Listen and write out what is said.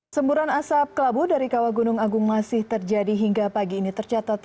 semburan asap kelabu dari kawah gunung agung masih terjadi hingga pagi ini tercatat